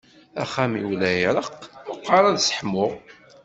Axxam-iw la iṛeqq, meqqaṛ ad sseḥmuɣ.